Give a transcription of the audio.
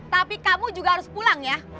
tapi kamu juga harus pulang ya